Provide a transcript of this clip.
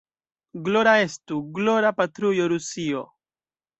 Glora estu, glora, patrujo Rusio!